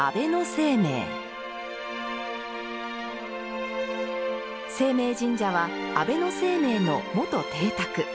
晴明神社は、安倍晴明の元邸宅。